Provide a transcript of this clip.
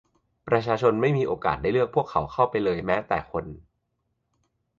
ประชาชนไม่มีโอกาสได้เลือกพวกเขาเข้าไปเลยแม้แต่คน